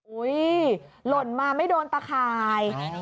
หล่นมาไม่โดนตะข่าย